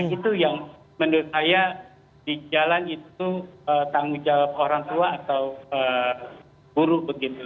itu yang menurut saya di jalan itu tanggung jawab orang tua atau guru begitu